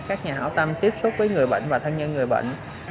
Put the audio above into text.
các nhà hảo tâm tiếp xúc với người bệnh và thân nhân người bệnh